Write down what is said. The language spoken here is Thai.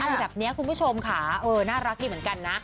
อะไรแบบนี้คุณผู้ชมค่ะเออน่ารักดีเหมือนกันนะ